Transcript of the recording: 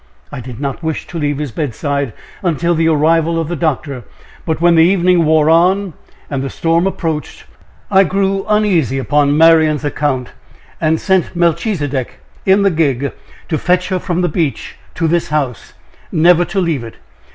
I did not wish to leave his bedside until the arrival of the doctor. But when the evening wore on, and the storm approached, I grew uneasy upon Marian's account, and sent Melchisedek in the gig to fetch her from the beach to this house never to leave it.